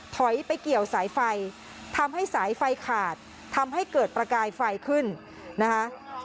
ถอยไปเกี่ยวสายไฟทำให้สายไฟขาดทำให้เกิดประกายไฟขึ้นนะคะ